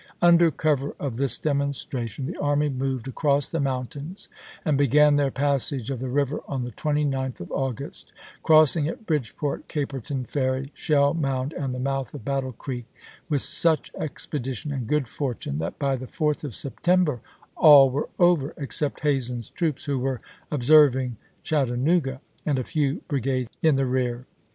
Under cover of this demonstration, the army moved across the mountains and began their passage of the river on the 29th of August, cross ing at Bridgeport, Caperton Ferry, Shell Mound, and the mouth of Battle Creek, with such expedition and good fortune that by the 4th of September all were over, except Hazen's troops, who were observ ing Chattanooga, and a few brigades in the rear.